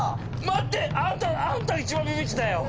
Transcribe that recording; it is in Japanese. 待ってあんたあんた一番ビビってたよ。